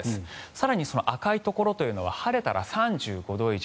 更に赤いところというのは晴れたら３５度以上。